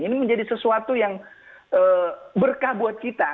ini menjadi sesuatu yang berkah buat kita